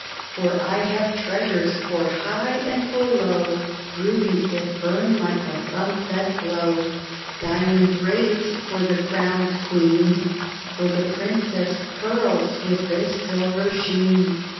For I have treasures for high and for low : Rubies that burn like the sunset glow ; Diamond rays for the crowned queen ; For the princess, pearls with their silver sheen.